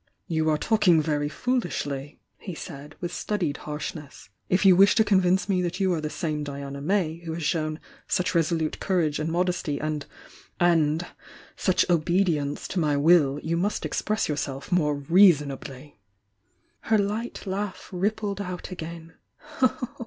"You are talking very foolishly," he said, with studied harshness. "If you wish to convince me that you are the same Diana May who has shown such resolute courage and modesty, end — and — such obe dience to my will, you must express yourself more reasonably." Her light laugh rippled out again.